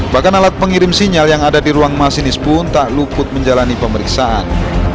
bahkan alat pengirim sinyal yang ada di ruang masinis pun tak luput menjalani pemeriksaan